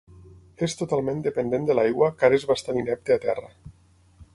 És totalment dependent de l'aigua car és bastant inepte a terra.